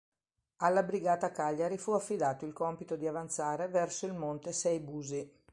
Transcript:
Alla brigata "Cagliari" fu affidato il compito di avanzare verso il Monte Sei Busi.